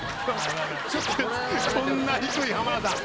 こんな低い浜田さん